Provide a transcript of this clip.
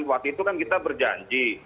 waktu itu kan kita berjanji